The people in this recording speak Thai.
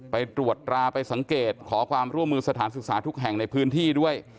ไปตรวจราไปสังเกตขอความร่วมมือสถานศึกษาทุกแห่งในพื้นที่ด้วย